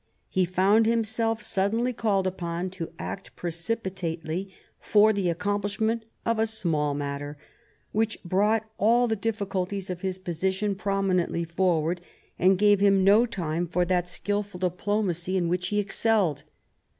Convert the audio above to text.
He found himself suddenly called upon to act precipitately for the accomplishment of a small matter, which brought all the difficulties of his position prominently forward, and gave him no time for that skilful diplomacy in CHAP. IX THE KING'S DIVORCE 151 which he excelled.